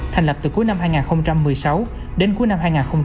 thành lập từ cuối năm hai nghìn một mươi sáu đến cuối năm hai nghìn một mươi bảy